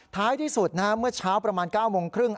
ท้ายที่สุดเมื่อเช้าประมาณ๙โมงครึ่ง